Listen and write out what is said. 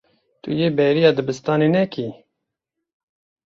Tu yê bêriya dibistanê nekî.